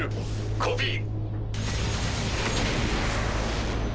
コピー。